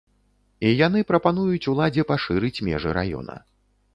І яны прапануюць уладзе пашырыць межы раёна.